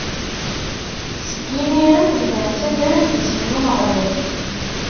Seg imiren, bdan ttaddren-d isem n Umeɣlal.